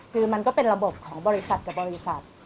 คือมันก็เป็นระบบของบริษัทกับบริษัท